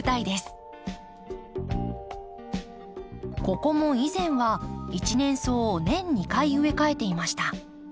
ここも以前は一年草を年２回植え替えていました。